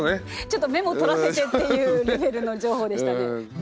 ちょっとメモ取らせてっていうレベルの情報でしたね。